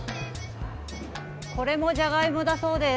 これもじゃがいもだそうです。